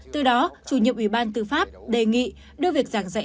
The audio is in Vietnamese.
từ đó chủ nhiệm ủy ban tư pháp đề nghị đưa việc giảng dạy